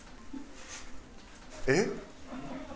えっ？